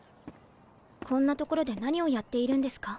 こんな所で何をやっているんですか？